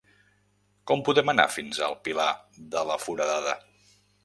Com podem anar fins al Pilar de la Foradada?